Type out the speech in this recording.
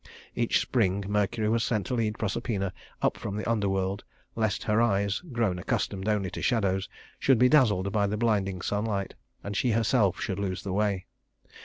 Each spring Mercury was sent to lead Proserpina up from the underworld lest her eyes, grown accustomed only to shadows, should be dazzled by the blinding sunlight, and she herself should lose the way.